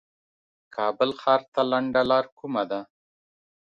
کابل ښار ته لنډه لار کومه ده